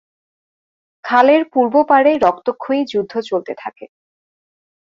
খালের পূর্ব পারে রক্তক্ষয়ী যুদ্ধ চলতে থাকে।